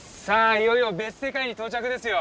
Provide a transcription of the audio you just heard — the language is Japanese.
いよいよ別世界に到着ですよ。